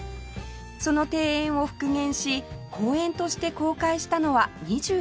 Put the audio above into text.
その庭園を復元し公園として公開したのは２２年前